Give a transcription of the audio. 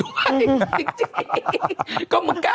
เป็นการกระตุ้นการไหลเวียนของเลือด